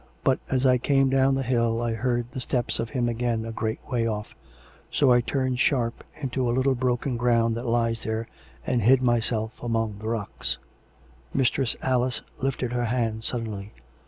But as I came down the hill I heard the steps of him again a great way off. So I turned sharp into a little broken ground that lies there, and hid myself among the rocks " Mistress Alice lifted her hand suddenly.